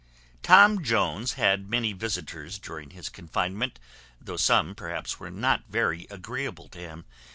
Tom Jones had many visitors during his confinement, though some, perhaps, were not very agreeable to him.